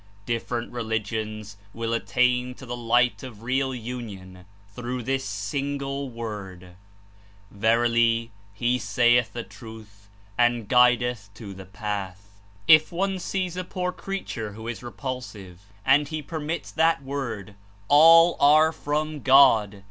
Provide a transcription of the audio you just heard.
Different religions zvill attain to the light of real union through this single word. Ver ily, He saith the truth and guideth to the Path.'^ If one sees a poor creature who is repulsive, and he per mits that word, ^^. Jll are from God!"